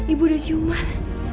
ibu udah cuman